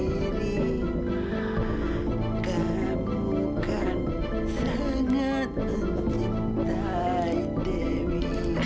kamu kan sangat mencintai dewi